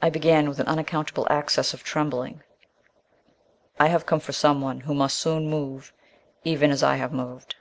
I began, with an unaccountable access of trembling. "I have come for someone who must soon move, even as I have moved."